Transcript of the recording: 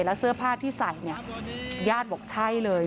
แล้วเสื้อผ้าที่ใส่เนี่ยญาติบอกใช่เลย